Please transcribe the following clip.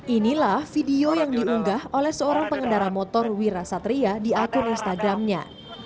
inilah video yang diunggah oleh seorang pengendara motor wira satria di akun instagramnya